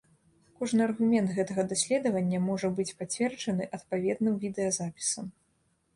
Кожны аргумент гэтага даследавання можа быць пацверджаны адпаведным відэазапісам.